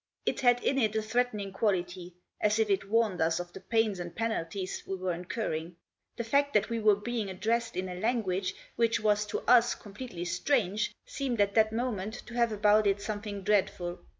It had in it a threatening quality, as if it warned us of the pains and penalties we were incurring. The fact that we were being addressed in a language which was, to us, completely strange, seemed at that moment to have about it something dreadful.